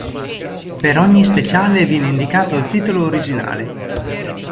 Per ogni speciale viene indicato il titolo originale.